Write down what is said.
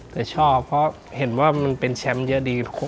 แต่ชอบเพราะเห็นว่ามันเป็นแชมป์เยอะดี